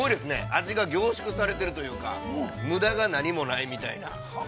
味が凝縮されているというか、無駄が何もないみたいな。